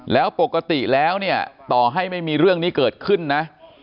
แล้วปกติแล้วเนี่ยต่อให้ไม่มีเรื่องนี้เกิดขึ้นนะ